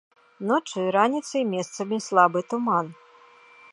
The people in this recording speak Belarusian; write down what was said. Ноччу і раніцай месцамі слабы туман.